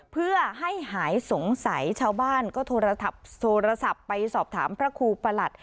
เพื่อให้หายสงสัยชาวบ้านก็โทรศัพท์ไปสอบถามพระครูประหลัด